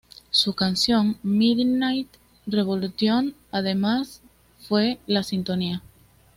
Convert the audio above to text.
Su canción "Midnight revolution", además, fue la sintonía.